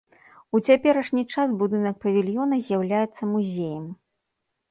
У цяперашні час будынак павільёна з'яўляецца музеем.